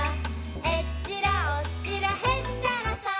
「えっちらおっちらへっちゃらさ」